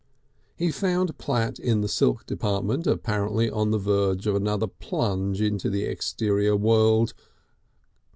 He found Platt in the silk department, apparently on the verge of another plunge into the exterior world.